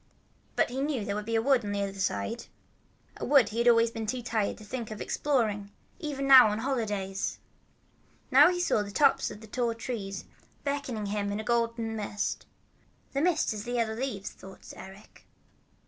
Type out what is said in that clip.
But he knew there was a wood on the other side, a wood he had always been too tired to think of exploring, even on holidays. Now he saw the tops of the tall trees beckoning him in a golden mist. "The mist is the yellow leaves they're dropping," thought Eric.